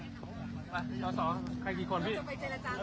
มาตอนสองใครกี่คนพี่